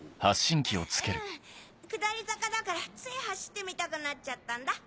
下り坂だからつい走ってみたくなっちゃったんだ。